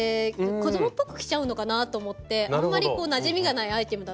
子供っぽく着ちゃうのかなと思ってあんまりなじみがないアイテムだったんですけど。